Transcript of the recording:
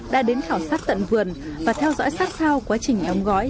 đã đến khảo sát tận vườn và theo dõi sát sao quá trình đóng gói